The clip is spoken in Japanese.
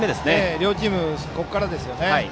両チーム、ここからですね。